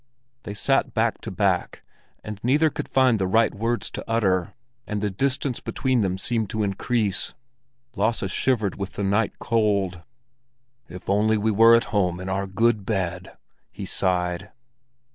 They sat back to back, and neither could find the right words to utter, and the distance between them seemed to increase. Lasse shivered with the night cold. "If only we were at home in our good bed!" he sighed.